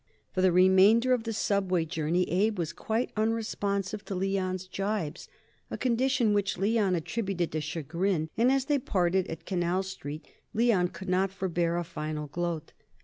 For the remainder of the subway journey Abe was quite unresponsive to Leon's jibes, a condition which Leon attributed to chagrin, and as they parted at Canal Street Leon could not forbear a final gloat.